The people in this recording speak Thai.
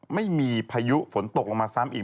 ไม่มีพายุฝนตกลงมาซ้ำอีก